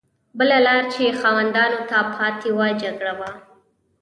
بله لار چې خاوندانو ته پاتې وه جګړه وه.